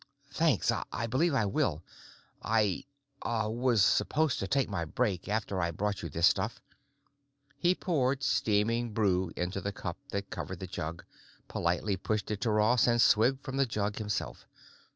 "Thanks; I believe I will. I, uh, was supposed to take my break after I brought you this stuff." He poured steaming brew into the cup that covered the jug, politely pushed it to Ross and swigged from the jug himself.